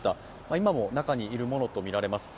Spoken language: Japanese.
今も中にいるものとみられます。